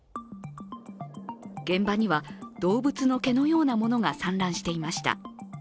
現場には、動物の毛のようなものが散乱していました。